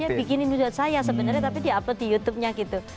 jadi dia bikinin buat saya sebenarnya tapi dia upload di youtubenya gitu